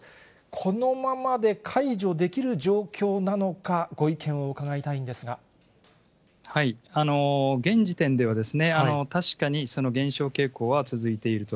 このままで解除できる状況なのか、現時点では、確かにその減少傾向は続いていると。